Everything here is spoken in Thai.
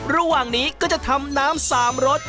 ระหว่างนี้ก็จะทำน้ำ๓รส